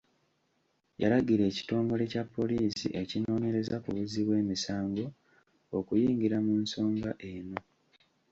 Yalagira ekitongole kya polisi ekinoonyereza ku buzzi bw' emisango okuyingira mu nsonga eno.